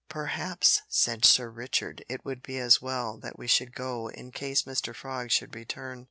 "Perhaps," said Sir Richard, "it would be as well that we should go, in case Mr Frog should return."